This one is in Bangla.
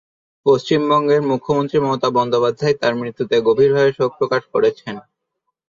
পশ্চিমবঙ্গের মুখ্যমন্ত্রী মমতা বন্দ্যোপাধ্যায় তার মৃত্যুতে গভীরভাবে শোক প্রকাশ করেছেন।